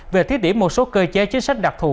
về thiết điểm một số cơ chế chính sách đặc thù